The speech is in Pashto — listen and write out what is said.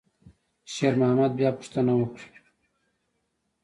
شېرمحمد بیا پوښتنه وکړه.